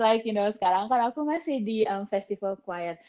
like you know sekarang kan aku masih di festival quiet